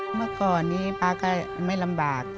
เมื่อก่อนนี้ป๊าก็ไม่ลำบาก